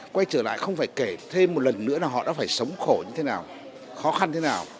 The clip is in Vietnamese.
quay trở lại không phải kể thêm một lần nữa là họ đã phải sống khổ như thế nào khó khăn thế nào